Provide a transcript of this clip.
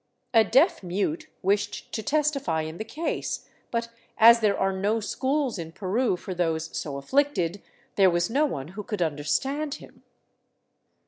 A deaf mute wished to testify* in the case, but as there are no schools in Peru for those so afflicted, there was no one who could understand him.